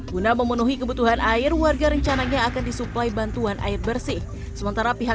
guna memenuhi kebutuhan air warga rencananya akan disuplai bantuan air bersih sementara pihak